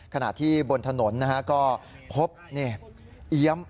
ขณะที่บนถนนก็พบเอี๊ยม